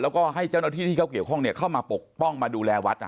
แล้วก็ให้เจ้าหน้าที่ที่เขาเกี่ยวข้องเข้ามาปกป้องมาดูแลวัด